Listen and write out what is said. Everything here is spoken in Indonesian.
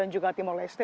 dan juga timur lejong